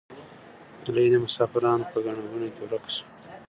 نجلۍ د مسافرانو په ګڼه ګوڼه کې ورکه شوه.